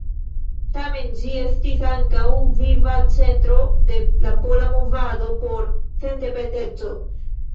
Tamen ĝi estis ankaŭ viva centro de la pola movado por sendependeco.